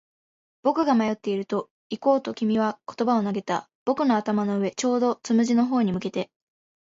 僕が迷っていると、行こうと君は言葉を投げた。僕の頭の上、ちょうどつむじの方に向けて。